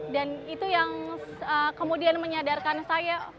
dan itu yang kemudian menyadarkan saya